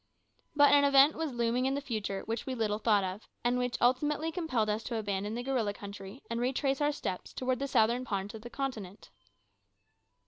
But an event was looming in the future which we little thought of, and which ultimately compelled us to abandon the gorilla country and retrace our steps towards the southern part of the continent.